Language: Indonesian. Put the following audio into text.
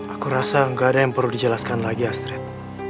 aku rasa gak ada yang perlu dijelaskan lagi astret